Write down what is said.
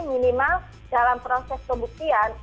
minimal dalam proses kebukian